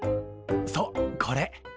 そうこれ。